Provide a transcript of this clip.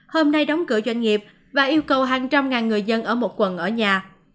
hôm nay đóng cửa doanh nghiệp và yêu cầu hàng trăm ngàn người dân ở một quận ở nhà